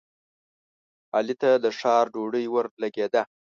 علي ته د ښار ډوډۍ ورلګېده.